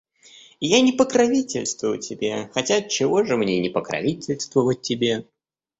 Я не покровительствую тебе... Хотя отчего же мне и не покровительствовать тебе?